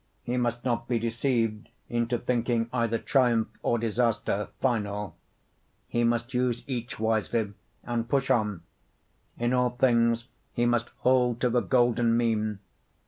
He must not be deceived into thinking either triumph or disaster final; he must use each wisely and push on. In all things he must hold to the golden mean.